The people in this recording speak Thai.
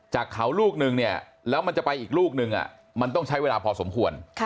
จากเขาลูกนึงเนี่ยแล้วมันจะไปอีกลูกนึงมันต้องใช้เวลาพอสมควร